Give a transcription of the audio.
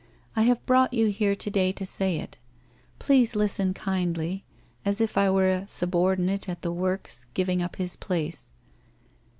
I have brought you here to day to say it. Please listen kindly, as if I were a subordinate at the works giving up his place.